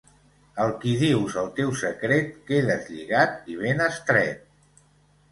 Al qui dius el teu secret quedes lligat i ben estret.